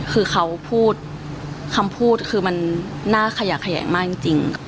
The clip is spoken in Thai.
คือเขาพูดคำพูดคือมันน่าขยะแขยงมากจริง